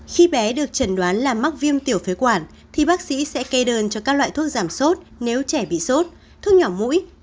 khi bé được chẩn đoán là mắc viêm tiểu phế quản thì bác sĩ sẽ kê đơn cho các loại thuốc giảm sốt nếu trẻ bị sốt thuốc nhỏ mũi